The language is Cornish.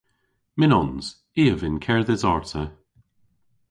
Mynnons. I a vynn kerdhes arta.